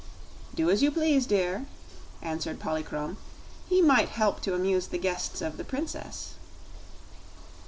"Do as you please, dear," answered Polychrome. "He might help to amuse the guests of the Princess."